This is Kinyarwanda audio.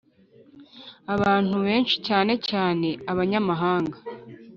abantu benshi, cyane cyane abanyamahanga,